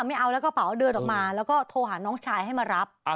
ไม่เอาแล้วก็เกียรต๊อกมาแล้วก็โทรหาน้องชายให้มารับ